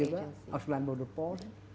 dengan abf juga auslan border force